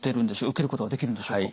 受けることができるんでしょうか？